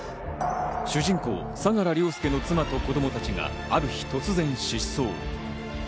主人公・相良凌介の妻と子供たちがある日突然、失踪。